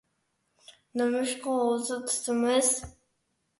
نېمىشقا روزا تۇتىمىز؟